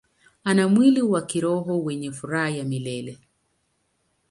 Ana mwili wa kiroho wenye furaha ya milele.